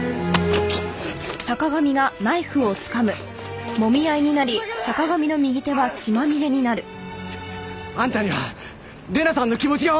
ああっ！あんたには玲奈さんの気持ちがわからないのか？